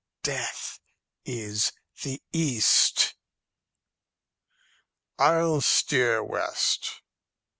"Death is the east." "I'll steer west."